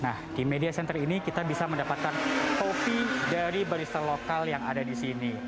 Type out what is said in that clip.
nah di media center ini kita bisa mendapatkan kopi dari barista lokal yang ada di sini